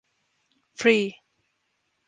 Free.